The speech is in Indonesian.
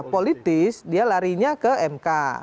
politis dia larinya ke mk